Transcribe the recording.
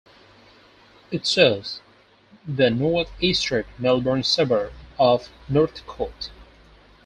It serves the north-eastern Melbourne suburb of Northcote.